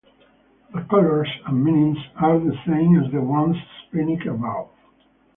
The colors and meanings are the same as the ones explained above.